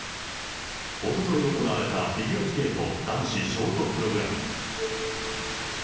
おととい行われたフィギュアスケート男子ショートプログラム。